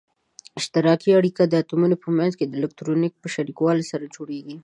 اشتراکي اړیکه د اتومونو په منځ کې د الکترونونو په شریکولو سره جوړیږي.